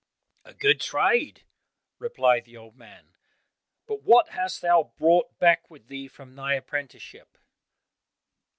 "A good trade," replied the old man; "but what hast thou brought back with thee from thy apprenticeship?"